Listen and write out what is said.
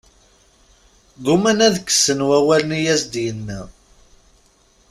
Ggumaan ad kksen wawalen i as-d-yenna.